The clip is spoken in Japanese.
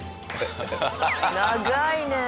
長いね。